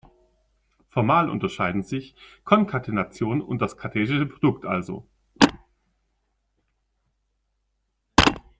Formal unterscheiden sich Konkatenation und das kartesische Produkt also.